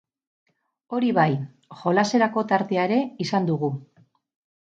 Hori bai, jolaserako tartea ere izan dugu.